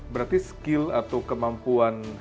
berarti skill atau kemampuan